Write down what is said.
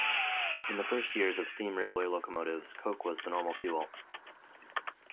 In the first years of steam railway locomotives, coke was the normal fuel.